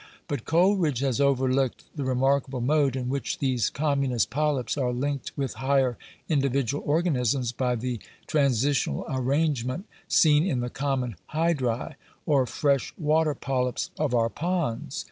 But Coleridge has overlooked the remarkable mode in which these communist polyps are linked with higher individual organisms by the transitional arrangement seen in the common Hydra, or fresh water polyps of our ponds.